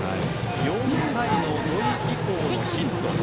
４回の土肥以降のヒット。